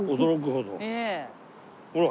ほら！